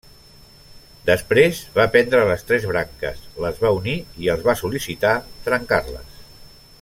Després va prendre les tres branques, les va unir i els va sol·licitar trencar-les.